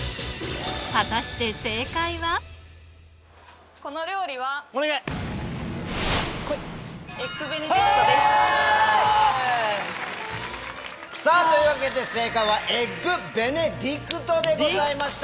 果たしてこの料理は。というわけで正解は「エッグベネディクト」でした！